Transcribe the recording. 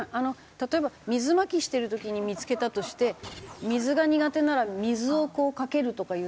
例えば水まきしてる時に見付けたとして水が苦手なら水をかけるとかいうのはダメなんですか？